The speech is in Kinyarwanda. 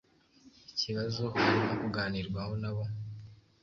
Ikibazo barimo kuganirwaho nabo